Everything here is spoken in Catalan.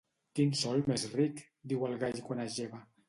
Quin sol més ric!, diu el gall quan es lleva.